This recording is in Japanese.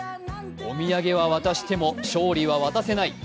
お土産は渡しても勝利は渡せない。